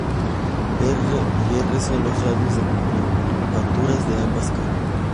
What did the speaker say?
R y R son los radios de curvaturas de ambas caras.